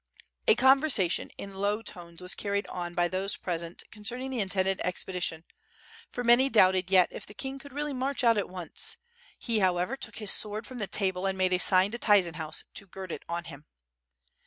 A conversation in low tones was carried on l»y those present concerning the intended expedition, lor many doubted yet if the king could really march out at once; he, however, took his sword from the table, and made a sign to ■J'yzenhauz to gird it on him.